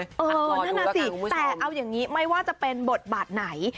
นั่นน่ะสิแต่เอาอย่างนี้ไม่ว่าจะเป็นบทบาทไหน